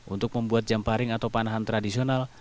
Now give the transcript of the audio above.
untuk membuat jamparing atau panahan tradisional